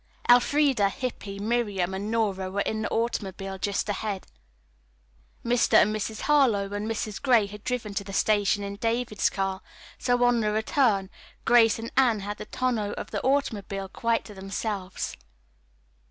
Elfreda, Hippy, Miriam and Nora were in the automobile just ahead. Mr. and Mrs. Harlowe and Mrs. Gray had driven to the station in David's car, so, on the return, Grace and Anne had the tonneau of the automobile quite to themselves.